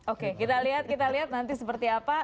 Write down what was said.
oke kita lihat nanti seperti apa